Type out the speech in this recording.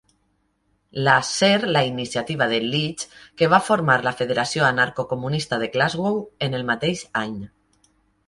La ser la iniciativa de Leech que va formar la Federació anarcocomunista de Glasgow en el mateix any.